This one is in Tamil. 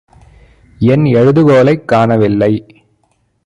என் எழுதுகோலைக் காணவில்லை.